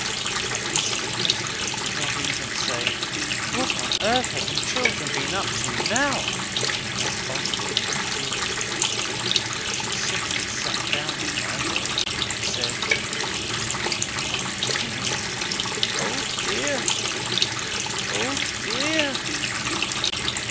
But Mrs Pettigrew did not even say, 'What on earth have you children been up to NOW?' as Oswald had feared. She simply sat down on my bed and said 'Oh, dear! oh, dear! oh, dear!